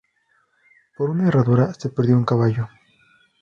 Por una herradura, se perdió un caballo